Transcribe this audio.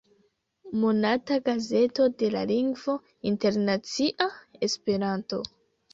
Monata gazeto de la lingvo internacia 'Esperanto"'.